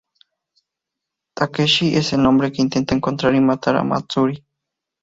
Takeshi es el hombre que intenta encontrar y matar a Matsuri.